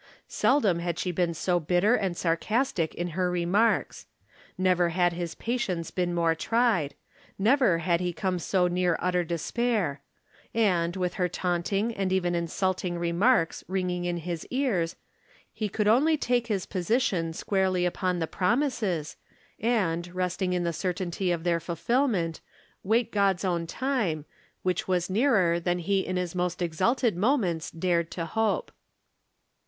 Seldom had she been so bitter and sarcastic in her remarks. Never had liis patience been more tried ; never had he come so near utter despair ; and, with her taunting and even insulting re marks ringing in his ears, he could only take his position squarely upon the promises, and, resting in the certainty of their fulfillment, wait God's own time, which was nearer than he in his most exalted moments dared to hope.